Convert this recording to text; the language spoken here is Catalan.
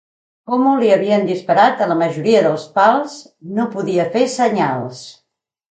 Como li havien disparat a la majoria dels pals, no podia fer senyals.